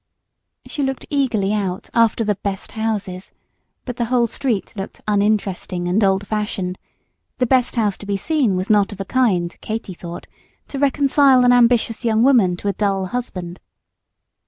She looked eagerly out after the "best houses," but the whole street looked uninteresting and old fashioned; the best house to be seen was not of a kind, Katy thought, to reconcile an ambitious young woman to a dull husband.